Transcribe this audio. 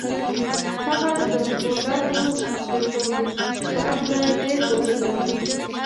هغه د پولادو د تولید په هکله ډېر پوهېده